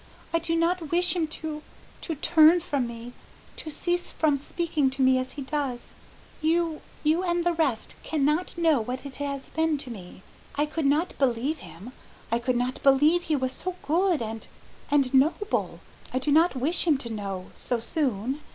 I do not wish him to to turn from me to cease from speaking to me as he does! You you and the rest cannot know what it has been to me. I could not believe him, I could not believe he was so good and and noble. I do not wish him to know so soon.